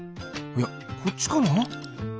いやこっちかな？